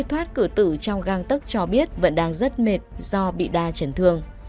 các cử tử trong găng tấc cho biết vẫn đang rất mệt do bị đa trần thương